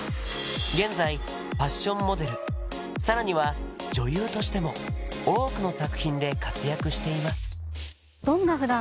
現在ファッションモデルさらには女優としても多くの作品で活躍しています